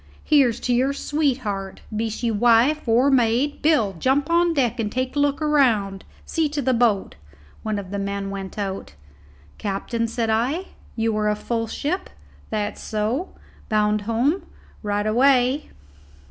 Here's to your sweetheart, be she wife or maid. Bill, jump on deck and take a look round. See to the boat." One of the men went out. "Captain," said I, "you are a full ship?" "That's so." "Bound home?" "Right away."